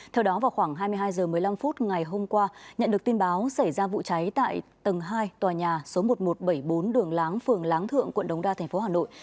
theo đó vào khoảng hai mươi hai h một mươi năm phút ngày hôm qua nhận được tin báo xảy ra vụ cháy tại tầng hai tòa nhà số một nghìn một trăm bảy mươi bốn đường láng phường láng thượng quận đông đa thành phố hà nội